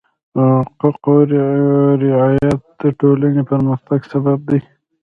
د حقوقو رعایت د ټولنې پرمختګ سبب دی.